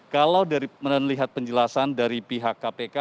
kalau melihat penjelasan dari pihak kpk